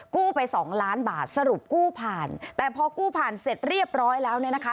กู้ไปสองล้านบาทสรุปกู้ผ่านแต่พอกู้ผ่านเสร็จเรียบร้อยแล้วเนี่ยนะคะ